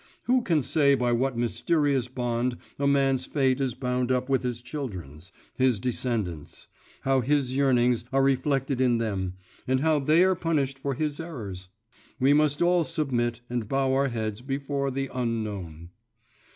Who can say by what mysterious bond a man's fate is bound up with his children's, his descendants'; how his yearnings are reflected in them, and how they are punished for his errors? We must all submit and bow our heads before the Unknown.